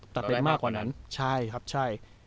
แต่เป็นมากกว่านั้นใช่ครับใช่